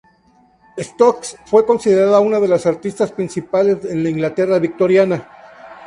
Stokes fue considerada una de las artistas principales en la Inglaterra victoriana.